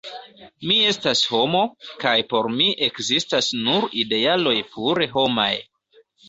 Mi estas homo, kaj por mi ekzistas nur idealoj pure homaj.